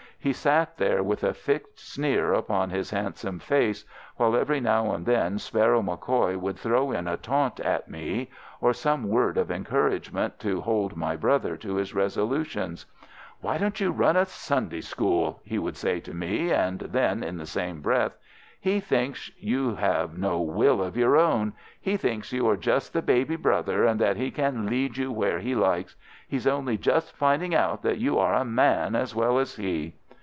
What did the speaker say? He sat there with a fixed sneer upon his handsome face, while every now and then Sparrow MacCoy would throw in a taunt at me, or some word of encouragement to hold my brother to his resolutions. "'Why don't you run a Sunday school?' he would say to me, and then, in the same breath: 'He thinks you have no will of your own. He thinks you are just the baby brother and that he can lead you where he likes. He's only just finding out that you are a man as well as he.